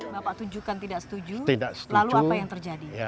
bapak tunjukkan tidak setuju lalu apa yang terjadi